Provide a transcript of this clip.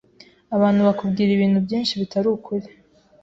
Abantu bakubwira ibintu byinshi bitari ukuri.